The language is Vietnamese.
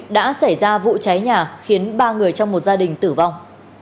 đã xảy ra vụ cháy nhà khiến ba người trong một gia đình tử vong